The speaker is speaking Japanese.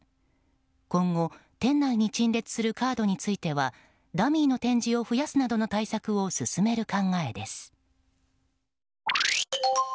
今後、店内に陳列するカードについてはダミーの展示を増やすなどの対策を進める考えです。